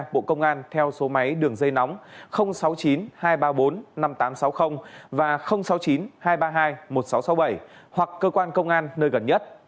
bộ công an theo số máy đường dây nóng sáu mươi chín hai trăm ba mươi bốn năm nghìn tám trăm sáu mươi và sáu mươi chín hai trăm ba mươi hai một nghìn sáu trăm sáu mươi bảy hoặc cơ quan công an nơi gần nhất